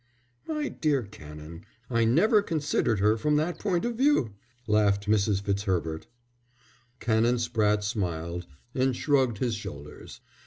"My dear Canon, I never considered her from that point of view," laughed Mrs. Fitzherbert. Canon Spratte smiled and shrugged his shoulders.